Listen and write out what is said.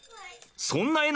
そんな笑